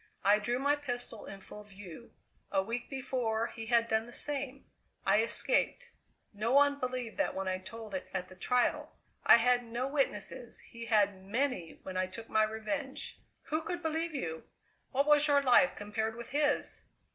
I drew my pistol in full view. A week before he had done the same; I escaped. No one believed that when I told it at the trial. I had no witnesses; he had many when I took my revenge." "Who could believe you? What was your life compared with his?"